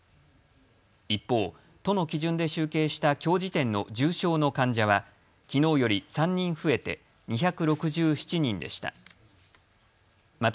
一方、都の基準で集計したきょう時点の重症の患者はきのうより３人増えて２６７人でした。